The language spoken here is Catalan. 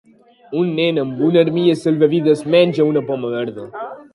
Un nen amb una armilla salvavides menja una poma verda